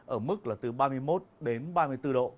ở mức là từ ba mươi một đến ba mươi bốn độ